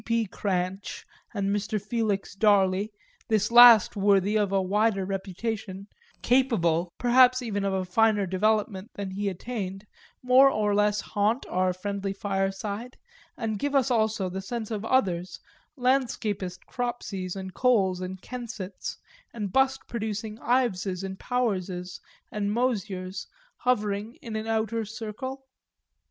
P. Cranch and Mr. Felix Darley, this last worthy of a wider reputation, capable perhaps even of a finer development, than he attained, more or less haunt our friendly fireside, and give us also the sense of others, landscapist Cropseys and Coles and Kensetts, and bust producing Iveses and Powerses and Moziers, hovering in an outer circle?